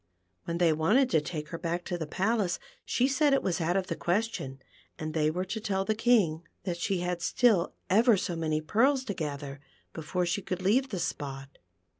When they wanted to take her back to the palace, she said it was out of the ques tion, and they were to tell the King that she had still ever so many pearls to gather before she could leave the spot.